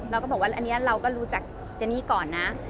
เราก็บอกว่าอันนี้เราก็รู้จักเจนี่ก่อนนะ